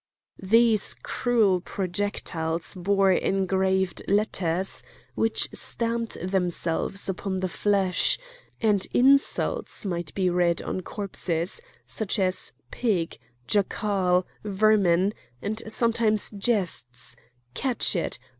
These cruel projectiles bore engraved letters which stamped themselves upon the flesh;—and insults might be read on corpses such as "pig," "jackal," "vermin," and sometimes jests: "Catch it!"